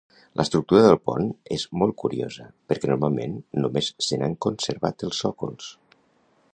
L'estructura del pont és molt curiosa, perquè normalment només se n'han conservat els sòcols.